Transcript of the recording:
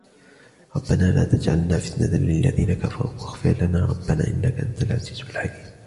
رَبَّنَا لَا تَجْعَلْنَا فِتْنَةً لِلَّذِينَ كَفَرُوا وَاغْفِرْ لَنَا رَبَّنَا إِنَّكَ أَنْتَ الْعَزِيزُ الْحَكِيمُ